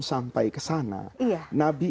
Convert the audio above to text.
sampai ke sana nabi